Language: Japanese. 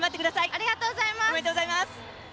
おめでとうございます。